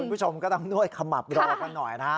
คุณผู้ชมก็ต้องนวดขมับรอกันหน่อยนะฮะ